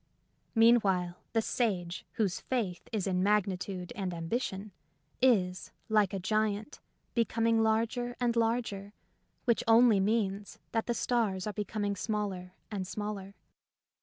Meanwhile, the sage whose faith is in magnitude and ambition is, like a giant, becoming larger and larger, which only means that the stars are becom ing smaller and smaller.